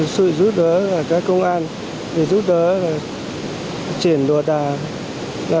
sự giúp đỡ các công an giúp đỡ chuyển đồ đà